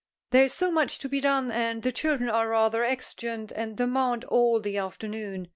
There is so much to be done, and the children are rather exigeant, and demand all the afternoon.